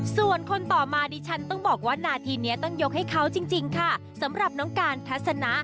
ส่วนคนต่อมาดิฉันต้องบอกว่านาทีนี้ต้องยกให้เขาจริงค่ะสำหรับน้องการทัศนะ